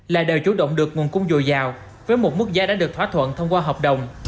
là đều chủ động được nguồn cung dồi dào với một mức giá đã được thỏa thuận thông qua hợp đồng